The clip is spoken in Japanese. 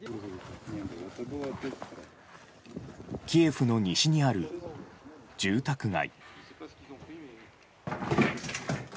キエフの西にある住宅街。